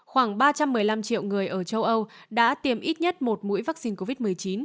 khoảng ba trăm một mươi năm triệu người ở châu âu đã tiêm ít nhất một mũi vaccine covid một mươi chín